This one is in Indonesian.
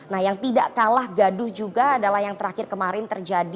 nah yang tidak kalah gaduh juga adalah yang terakhir kemarin terjadi